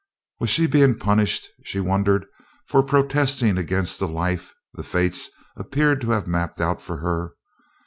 Was she being punished, she wondered, for protesting against the life the Fates appeared to have mapped out for her?